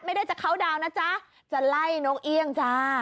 ไม่ได้จะเข้าดาวน์นะจ๊ะจะไล่นกเอี่ยงจ้า